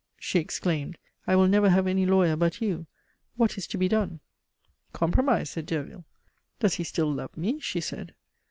she exclaimed. "I will never have any lawyer but you. What is to be done?" "Compromise!" said Derville. "Does he still love me?" she said.